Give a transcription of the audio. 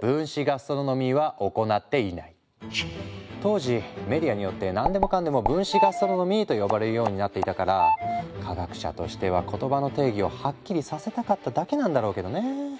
当時メディアによって何でもかんでも分子ガストロノミーと呼ばれるようになっていたから科学者としては言葉の定義をはっきりさせたかっただけなんだろうけどね。